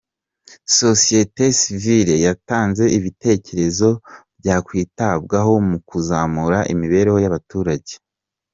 Sosiyete sivile yatanze ibitekerezo byakwitabwaho mu kuzamura imibereho y’abaturage